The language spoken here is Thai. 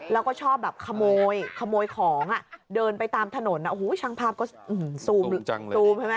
แล้วก็ชอบแบบขโมยขโมยของเดินไปตามถนนโอ้โหช่างภาพก็ซูมจังซูมใช่ไหม